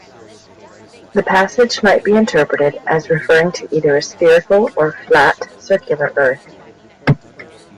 The passage might be interpreted as referring to either a spherical or flat-circular earth.